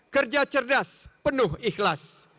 harapan rakyat kita jawab dengan tekat kuat